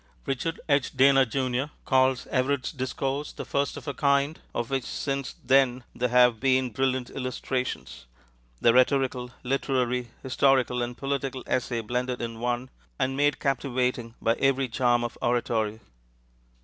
Richard H. Dana, Jr., calls Everett's discourse the first of a kind of which since then there have been brilliant illustrations, the rhetorical, literary, historical, and political essay blended in one, and made captivating by every charm of oratory.